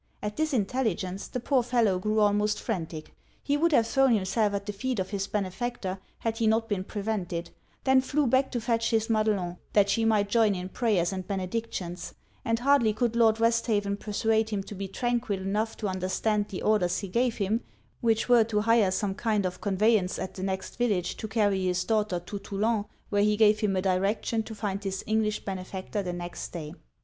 At this intelligence the poor fellow grew almost frantic. He would have thrown himself at the feet of his benefactor had he not been prevented; then flew back to fetch his Madelon, that she might join in prayers and benedictions; and hardly could Lord Westhaven persuade him to be tranquil enough to understand the orders he gave him, which were, to hire some kind of conveyance at the next village to carry his daughter to Toulon; where he gave him a direction to find his English benefactor the next day.